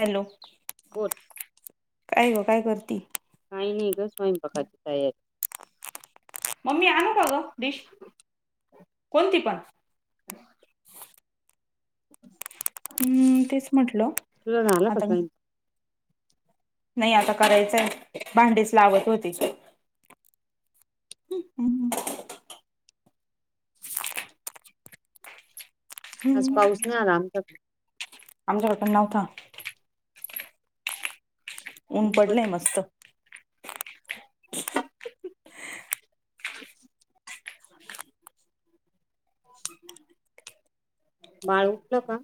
Hello बोल काय ग काय करती? काही नाही ग स्वयंपाकाची तयारी. मम्मी आणू का ग डिश? कोणती पण? हम्म तेच म्हटलं तुझ झाला का? आता [unintelligible] नाही आता करायचंय, भांडीच लावत होती. हम् हम. आज हम्म पाऊस नाही आला आमच्या कड. आमच्याकडे पण नव्हता. ऊन पडलय मस्त. [inaudible] बाळ उठलं का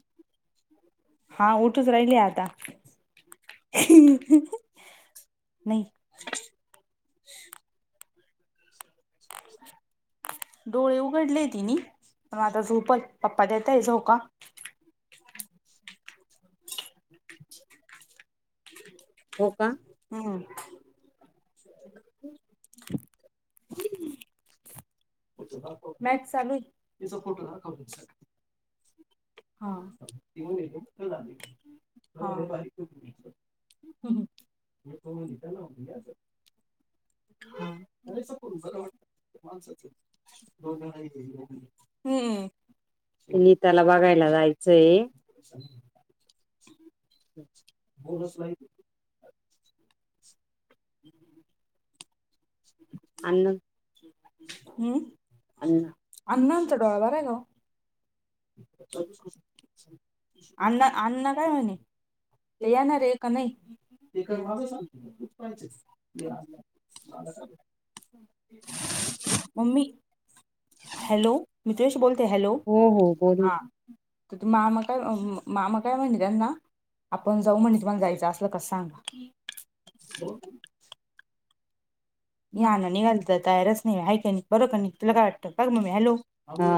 हा उठूच राहिली आता. नाही. डोळे उघडलेय तिनी पण आता झोपल पप्पा देताय झोका. हो का? हम्म. [unintelligible] मॅच चालू आहे. [unintelligible] [unintelligible] हा हम्म हम्म. हा. [unintelligible] [unintelligible] हम्म नीताला बघायला [unintelligible] जायचंय [inaudible] अण्णा हम्म? अण्णा अण्णा? चडावा आहे ना आण्णा, आण्णा काय म्हणे? ते याणारे का नाही? [unintelligible] मम्मी. हॅलो. मि तुझ्याशी बोलते हॅलो? हो हो बोल ना. हा तर ते मामा काय अं, मामा काय म्हणल्याना, आपण जाऊ [unintelligible] जायचं असं यकच सांगा या ना, निघाला तर काय तयारच नाहीये, हाय की नाही? बर का नाही? तुला काय वाटतं? काय गं मम्मी, हॅलो हा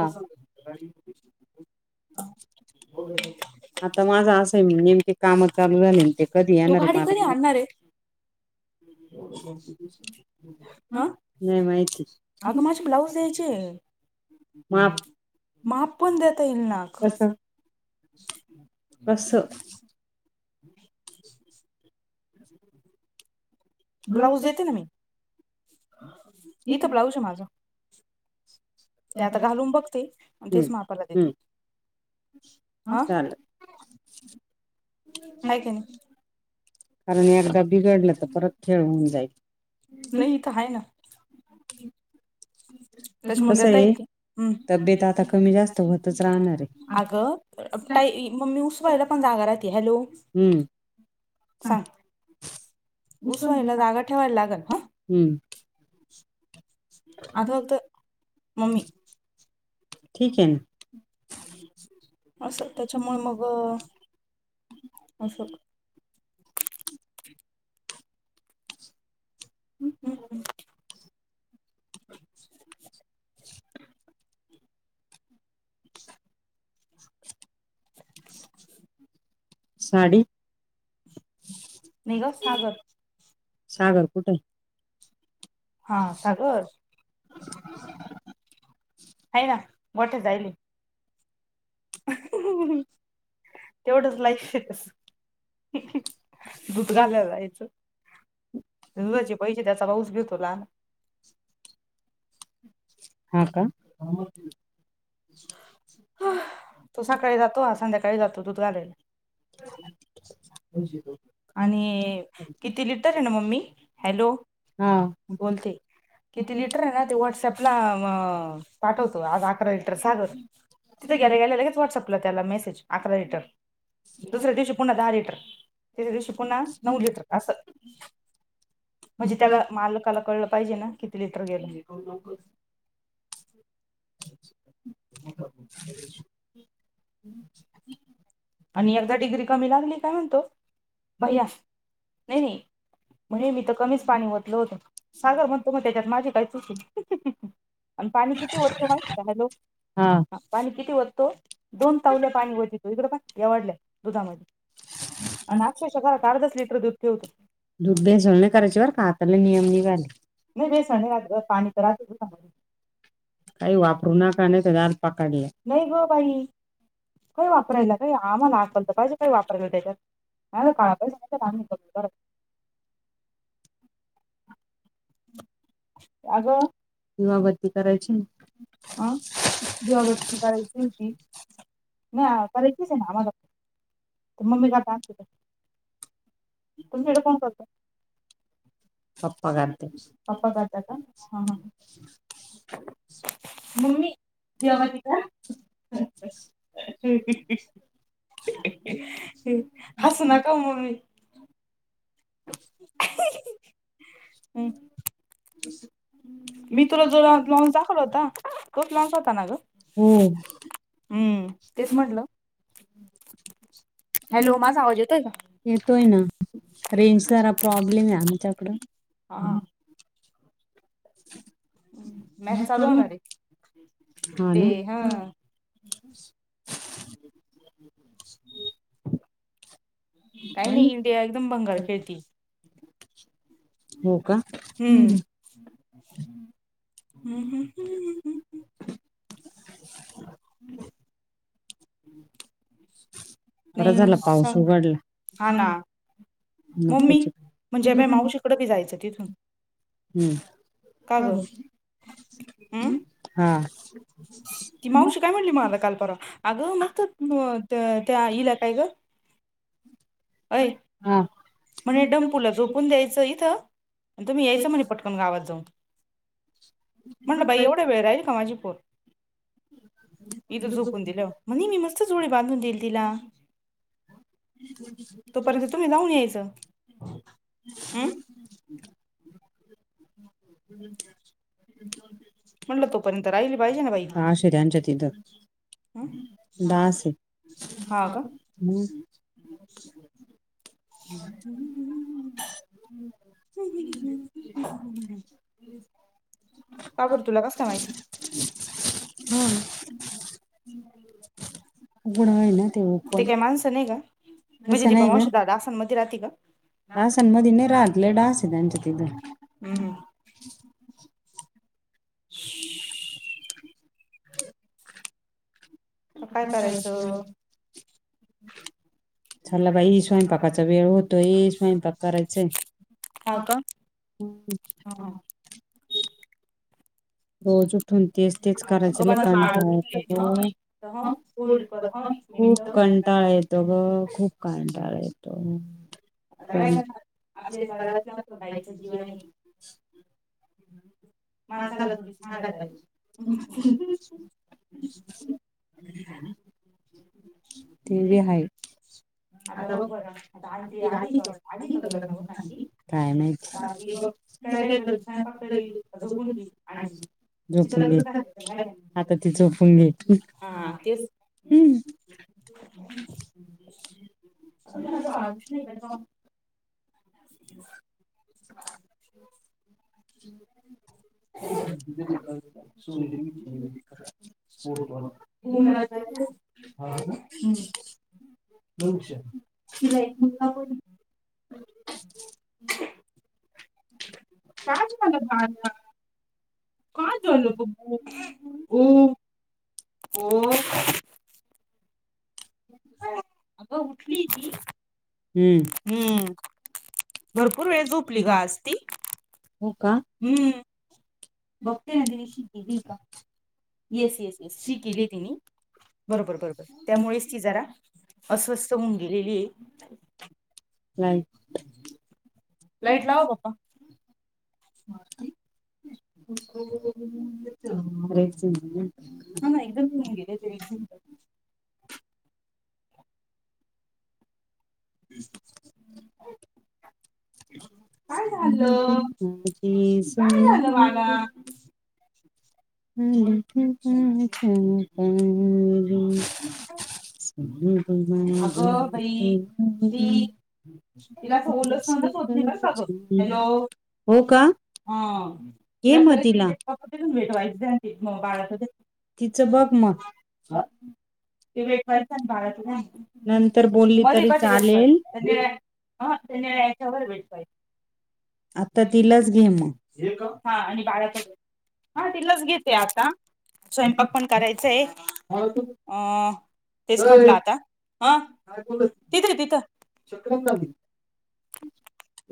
आता माझा असं आहे नेमके काम चालू झाले न ते कधी [unintelligible] तू येणार आहे गाडी कधी मला आणणार आहे? [unintelligible] हं? नाही माहिती अगं माझे ब्लाऊज द्यायचे. माप माप पण देता येईल ना. कसं कसं बस्स. ब्लाऊज देते ना मी. इथं ब्लाऊज आहे माझा ते आता घालून बघते, नी हम्म तेच मापाला हम्म देते. हा? चालेल हाय की नाही? कारण एकदा बिघडलं तर परत खेळ हुन जाईल. हं? [unintelligible] ह [unintelligible] तशी मग देता येईल का? तब्येत आता कमी जास्त होतच राहणार आहे अगं ताई, मम्मी, उसवायला पण जागा राहते. हॅलो हम्म. उसवायला जागा ठेवावी लागल. हा? हम्म. आता फक्त, मम्मी. ठीक आहे ना. असं त्याच्यामुळे मग, असं. [unintelligible] हम्म हम्म हम्म. [inaudible] [inaudible] साडी? नाही ग सागर सागर कुठे? हा, सागर? हाय ना. मोठं जाईली. हा हा ह तेवढच ला्ईफ दूध घालायला जायचं. दुधाचे पैसे त्याचा भाऊच घेतो लहान. हा का? तो सकाळी जातो हा संध्याकाळी जातो दुध घालायला. [inaudible] हा आणि किती लिटत आहे ना मम्मी हॅलो. हा बोलते किती लिटर आहे ना ते व्हॉट्सअप- ला ना म पाठवतो आज अकरा- सागर तीथ गेल्या गेल्या लगेच व्हाट्सअप त्याला मेसेज अकरा लिटर, दुसऱ्या दिवशी पुन्हा दहा लिटर त्याच्या दिवशी पुन्हा नऊ लिटर असं म्हणजे त्याला मालकाला कळलं पाहिजे ना किती लिटर गेलं. [inaudible] [inaudible] आणि एकदा डिग्री कमी लागली काय म्हणतो? भैया नाही नाही म्हणजे मी तर कमीच पाणी ओतल होतं. सागर म्हणतो मग त्याच्यात माझी काही चुक हे. आणि पाणी वततो माहीतीय का हलो हा पाणी किती वटतो? दोन तावल्या पाणी वतीतो तो इकडें पाय एवडल्या दुधामध्ये, तुमच्या घरात अर्धाच लीटर दूध ठेवतो. दुध भेसळ नाही करायचीबरका आता लई नियम नाही निघाले. [inaudible] बेसन नाही राहत ग पाणी तर राहतं दुधामध्ये काही वापरू नका. नाही तर जाल पकडल्या. नाही ग बाई काही वापरायला काही आम्हाला अक्कल तर पाहिजे काही वापरायला त्याच्यात नाही काळा पैसा [inaudible] दिवाबत्ती करायची अ ना. दिवाबत्ती करायची होती. नाही करायच आहे ना आम्हाला तर मम्मी काता आणते. तुमच्याकडे कोण करत? पप्पा पप्पा करत्यात, करता का हा हा मम्मी दिवाबत्ती कर. हसू नका ओ मंमी. [inaudible] मी तुला जो ब्लाऊज दाखवला होता. तोच ब्लाऊज होता ना ग? हो् ते? तेच म्हटलं हेलो! हॅलो माझा आवाज येतोय का येतोय ना रेंज प्रॉब्लेम आहे आमच्याकड. हा! मॅच चालू होणार ते हा [inaudible] हम् [unintelligible] काही नाही इंडिया एकदम भंगार खेळती. हो का, हम्! हम् हम् हम् ह ह्! [inaudible] बर नाही झालं पाऊस हा उघडला. ना मम्मी नकोच म्हणजे बा मावशीकडे जायचं तिथून. हम्म का ग हम् [unintelligible] [inaudible] हा ती मावशी काय म्हटली मणाला काल परवा अगं मगत त्या [inaudible] हईला काय ग.. अय हा [inaudible] म्हणजे डमपूलाचो कोण द्यायचं इथं, तुम्ही यायचं म्हणे पटकन गावात जाऊन. म्हणलं बाई एवढा वेळ राहिल का माझी पोर. इथं झोपून [inaudible] दिल्यावर म्हणे मी मस्त झोळी बांधून देईल तिला. तोपर्यंत तुम्ही जाहून याल. हम [inaudible] हम्म हम् [unintelligible] हम् हमम [unintelligible] म्हटलं तोपर्यंत राहिली पाहिजे ना बाई. ह शरनज [inaudible] त तर हं? द अस [unintelligible] हा का हम् [inaudible] [inaudible] ह [unintelligible] हम्म हम् ह् ह ह ह [inaudible] [inaudible] कापड तुला कस काय माहिती. [unintelligible] हम [inaudible] ह ह [unintelligible] उगडाय ना [inaudible] ते पर माणसं नाही का, म्हणजे दीपा मावशी आसाममध्ये राहते का? आसांमध्येध नाही [inaudible] [inaudible] रागले डास आहे त्यांच्या तिथं हम्. हम. ह [inaudible] आता काय करायचं. होतोय स्वयंपाक करायचंय [unintelligible] [inaudible] हो का? [unintelligible] हां. हां. रोज उठून तेस तेच करायचं अगं ल माझं कार बाळ क [inaudible] उठलं हं हूप होल्ड कर हं कंटाळ य [inaudible] तोघ खूप कंटाळा येतो. आता काय करायचं, आपल्या आपलेच [inaudible] गळ्यात लागतो गाईचं बघायचं [inaudible] जीवानी [unintelligible] माझं झालं [inaudible] थोडी तुझं सांगाय सांगातात [inaudible] पाहिजे [unintelligible] आता बघ बरं. आता आंटी ती आली का, आली का लग्नावरून आंटी काय माहिती नाही ती बघ काय काय करल. स्वयंपाक [inaudible] करल का झोपू दे [inaudible] ती आणखीन झोपून घे, आता ती झोपून घे. हा तेच हूं. [unintelligible] [unintelligible] [inaudible] अगं माझं बाळ [unintelligible] [unintelligible] [unintelligible] [inaudible] सोनी ती स्पोर्ट् बॉल, उमराच्या पाहतोस हा का [inaudible] बघू शकते शिलाजीत का बग काय कराले तवा काय झालं बबू वो वो अगं उठली ती? हम्म हं भरपूर वेळ झोपली गं आज ती हो का हं बघते ना तिनी शी केलीय का? येस येस येस शी केली तिनी बरोबर बरोबर त्यामुळेच ती जरा अस्वस्थ होऊन गेलेली आहे. लाईट लाईट लावा ओ पप्पा मारती बघू बघू म्हणून मारायचं नाही ना हा ना एकदाच होवून गेलंय, तरी एक शंका आहे. हम्म काय झालं, ही माझी काय झालं मला सोनुली नेली तुझ्या का दारी सोनुली माझी अगं बाई ती तिला सोलच सहनच होत नाही का ग, हॅलो हो हो का हा [unintelligible] घे मग तिला भेटवायचं ग बाळच्या [unintelligible] तिचं पिचर मग बघ ति वेट वाईलसन बाळाचं [unintelligible] नंतर बोलली कधी तरी कधी वेट चालेल पाहिजे त्यां निळ्या याच्यावर वेट पाहिजे. आता तिलाच घे मग हे का हा आणि बाळाचा ड्रेस हा तिलाच घेते आता, स्वयंपाक पण करायचाय. अ तेच म्हटलं आता, ह तिथं आहे तिथं.